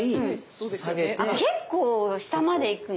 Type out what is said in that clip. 結構下までいくの？